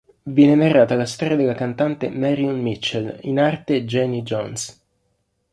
Viene narrata la storia della cantante Marion Mitchell, in arte Janie Jones.